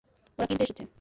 ওরা কিনতে এসেছে।